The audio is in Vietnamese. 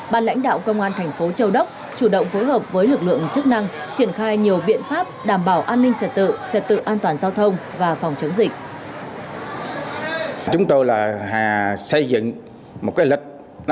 bàn lãnh đạo công an thành phố châu đốc chủ động phối hợp với lực lượng chức năng triển khai nhiều biện pháp đảm bảo an ninh trật tự trật tự an toàn giao thông và phòng chống dịch